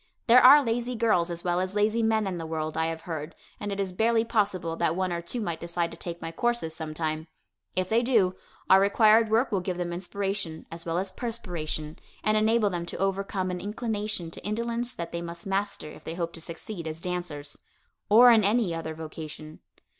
There are lazy girls as well as lazy men in the world, I have heard, and it is barely possible that one or two might decide to take my courses sometime. If they do, our required work will give them inspiration, as well as perspiration, and enable them to overcome an inclination to indolence that they must master if they hope to succeed as dancers or in any other vocation.